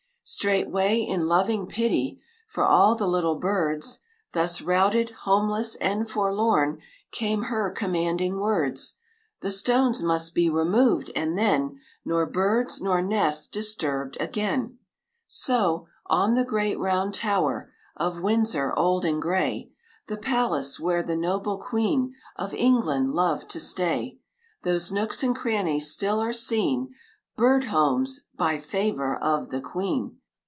Straightway, in loving pity For all the little birds Thus routed, homeless, and forlorn, Came her commanding words, "The stones must be removed, and then Nor birds nor nests disturbed again." So, on the great round tower Of Windsor, old and gray, The palace where the noble Queen Of England loved to stay, Those nooks and crannies still are seen Bird homes "by favor of the Queen."